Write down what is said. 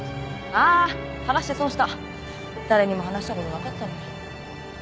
誰にも話したことなかったのに。